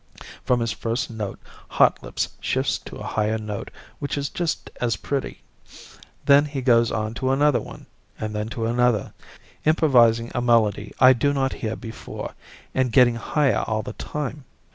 From his first note, Hotlips shifts to a higher note which is just as pretty. Then he goes on to another one and then to another, improvising a melody I do not hear before and getting higher all the time.